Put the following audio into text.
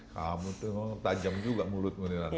kamu itu tajam juga mulutmu